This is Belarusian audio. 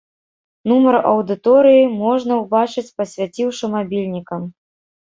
Нумар аўдыторыі можна ўбачыць, пасвяціўшы мабільнікам.